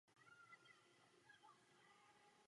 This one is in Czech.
I zde prokázal suverénní znalost římské architektury.